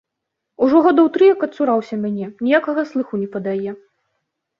Ужо гадоў тры як адцураўся мяне, ніякага слыху не падае.